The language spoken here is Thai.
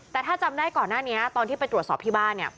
แต่ถ้าจำได้ก่อนหน้านี้ตอนที่ไปตรวจสอบที่บ้านเนี่ย